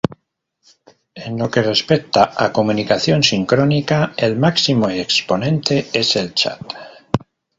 En lo que respecta a comunicación sincrónica, el máximo exponente es el chat.